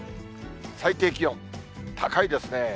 最低気温、高いですね。